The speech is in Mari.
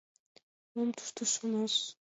— Мом тушто шонаш?